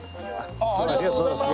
ありがとうございます！